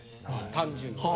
単純に。